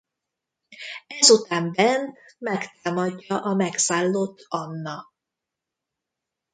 Ezután Bent megtámadja a megszállott Anna.